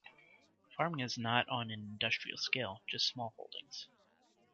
Farming is not on an industrial scale, just small holdings.